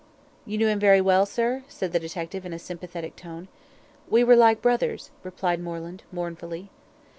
"You knew him very well, sir?" said the detective, in a sympathetic tone. "We were like brothers," replied Moreland, mournfully.